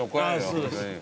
そうです。